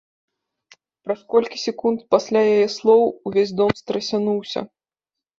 Праз колькі секунд пасля яе слоў увесь дом страсянуўся.